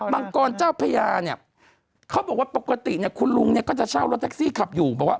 มันกรเจ้าพญาเขาบอกว่าปกติคุณลุงก็จะเช่ารถแท็กซี่ขับอยู่